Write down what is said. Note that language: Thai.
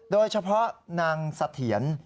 โดยเฉพาะนางสะเทียน